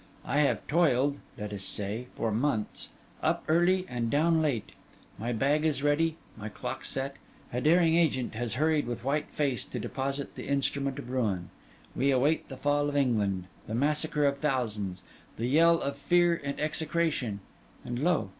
I have toiled (let us say) for months, up early and down late; my bag is ready, my clock set; a daring agent has hurried with white face to deposit the instrument of ruin; we await the fall of England, the massacre of thousands, the yell of fear and execration; and lo!